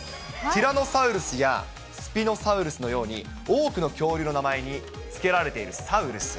ティラノサウルスやスピノサウルスのように、多くの恐竜の名前に付けられているサウルス。